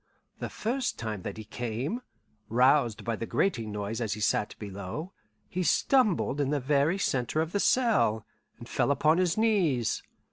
The first time that he came, roused by the grating noise as he sat below, he stumbled in the very centre of the cell, and fell upon his knees.